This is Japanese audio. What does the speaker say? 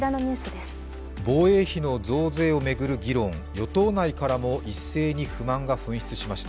防衛費の増税を巡る議論、与党内からも一斉に不満が噴出しました。